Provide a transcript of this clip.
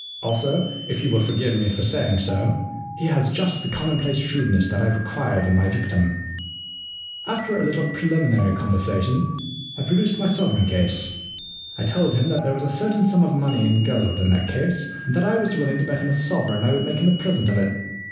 Also, if he will forgive me for saying so, he has just the commonplace shrewdness that I required in my victim. * After a little preliminary conversation, I produced my sovereign case. I told him that there was a certain sum of money in gold in that case, and that I was willing to bet him a sovereign I would make him a present of it.